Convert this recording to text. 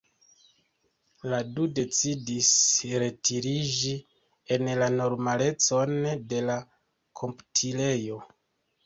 La du decidis retiriĝi en la normalecon de la komputilejo.